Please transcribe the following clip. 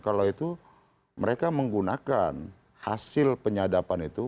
kalau itu mereka menggunakan hasil penyadapan itu